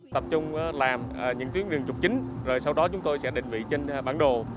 tập trung làm những tuyến đường trục chính rồi sau đó chúng tôi sẽ định vị trên bản đồ